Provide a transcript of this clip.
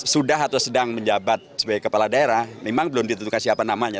sudah atau sedang menjabat sebagai kepala daerah memang belum ditentukan siapa namanya